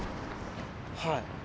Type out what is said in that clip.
はい。